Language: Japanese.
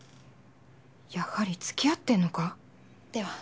やはりつきあってんのか？では。